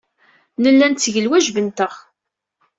Nella netteg lwajeb-nteɣ.